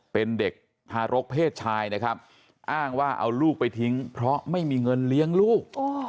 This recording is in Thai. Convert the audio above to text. เป็นเด็กทารกเพศชายนะครับอ้างว่าเอาลูกไปทิ้งเพราะไม่มีเงินเลี้ยงลูก